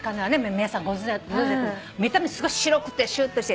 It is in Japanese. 皆さんご存じだと思うけど見た目すごい白くてシュッとして。